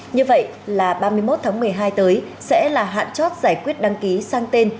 như vậy là ba mươi một tháng một mươi hai tới sẽ là hạn chót giải quyết đăng ký sang tên